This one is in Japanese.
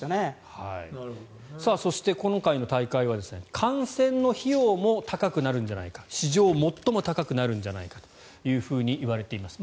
そして今回の大会は観戦の費用も高くなるんじゃないか史上最も高くなるんじゃないかというふうに言われています。